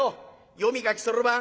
読み書きそろばん。